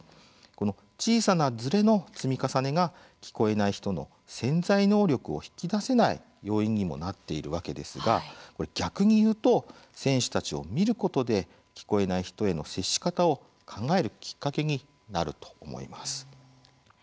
この小さなずれの積み重ねが聞こえない人の潜在能力を引き出せない要因にもなっているわけですが逆に言うと、選手たちを見ることで聞こえない人への接し方を考えるきっかけになると思います。